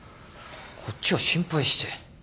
こっちは心配して。